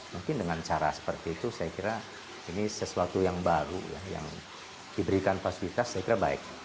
mungkin dengan cara seperti itu saya kira ini sesuatu yang baru yang diberikan fasilitas saya kira baik